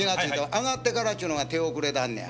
あがってからっちゅうのが手遅れなんねや。